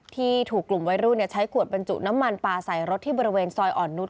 ที่ถูกกลุ่มวัยรุ่นใช้ขวดบรรจุน้ำมันปลาใส่รถที่บริเวณซอยอ่อนนุษย